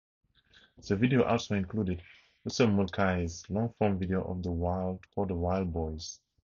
The video also included Russell Mulcahy's long-form video for "The Wild Boys".